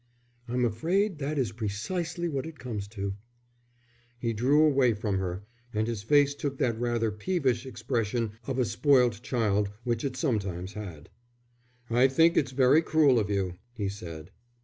"I'm afraid that is precisely what it comes to." He drew away from her, and his face took that rather peevish expression of a spoilt child which it sometimes had. "I think it's very cruel of you," he said.